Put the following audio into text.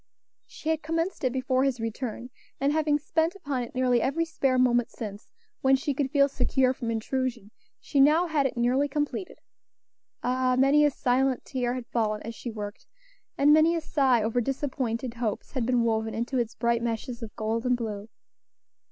She had commenced it before his return, and having spent upon it nearly every spare moment since, when she could feel secure from intrusion, she now had it nearly completed. Ah! many a silent tear had fallen as she worked, and many a sigh over disappointed hopes had been woven into its bright meshes of gold and blue.